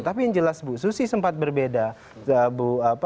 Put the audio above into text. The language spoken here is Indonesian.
tapi yang jelas bu susi sempat berbeda